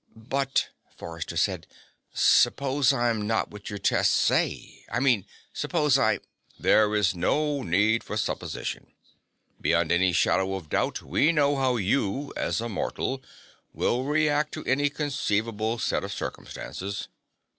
"But," Forrester said, "suppose I'm not what your tests say. I mean, suppose I " "There is no need for supposition. Beyond any shadow of doubt, we know how you, as a mortal, will react to any conceivable set of circumstances."